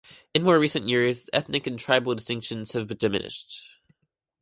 In more recent years, ethnic and tribal distinctions have diminished.